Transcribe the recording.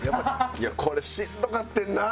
いやこれしんどかってんな。